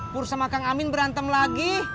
purse makang amin berantem lagi